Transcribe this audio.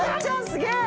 すげえ。